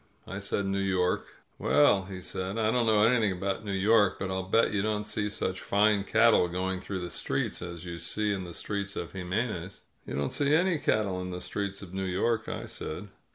I said New York. "Well," he said, "I don't know anything about New York, but I'll bet you don't see such fine cattle going through the streets as you see in the streets of Jim mez. "You don't see any cattle in the streets of New York," I said.